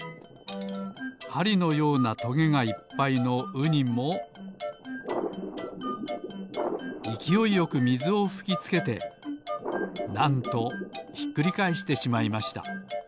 ハリのようなトゲがいっぱいのウニもいきおいよくみずをふきつけてなんとひっくりかえしてしまいました。